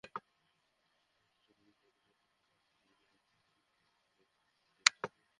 তাঁর মতে, চোখের হালকা ম্যাসাজ রক্তপ্রবাহ বাড়িয়ে চোখের ধকল দূর করতে পারে।